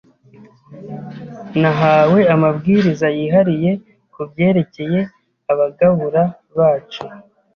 Nahawe amabwiriza yihariye ku byerekeye abagabura bacu.